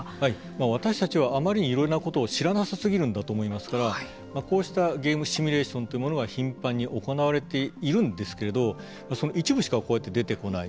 私たちはあまりにいろんなことを知なさすぎるんだと思いますからこうしたゲームシミュレーションというものが頻繁に行われているんですけれどもその一部しかこうやって出てこない。